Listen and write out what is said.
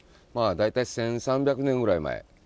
大体１，３００年ぐらい前。